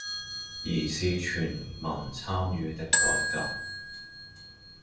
而是全民參與的改革